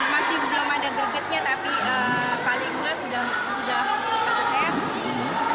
masih belum ada gergetnya tapi paling enggak sudah